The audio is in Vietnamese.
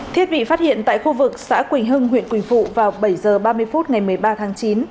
thiết bị phát hiện tại khu vực xã quỳnh hưng huyện quỳnh phụ vào bảy h ba mươi phút ngày một mươi ba tháng chín